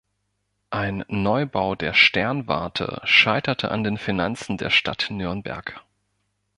Ein Neubau der Sternwarte scheiterte an den Finanzen der Stadt Nürnberg.